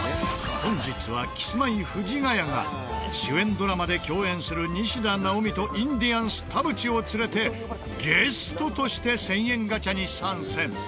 本日はキスマイ藤ヶ谷が主演ドラマで共演する西田尚美とインディアンス田渕を連れてゲストとして１０００円ガチャに参戦。